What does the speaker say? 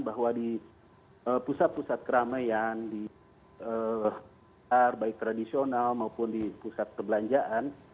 bahwa di pusat pusat keramaian di pasar baik tradisional maupun di pusat perbelanjaan